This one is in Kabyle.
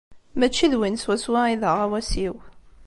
Mačči d win swaswa i d aɣawas-iw.